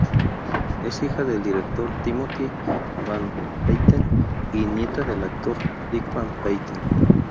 Es hija del director Timothy Van Patten y nieta del actor Dick Van Patten.